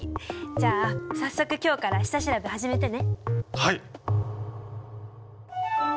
じゃあ早速今日から下調べ始めてね。